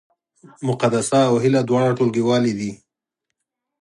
مقدسه او هیله دواړه ټولګیوالې دي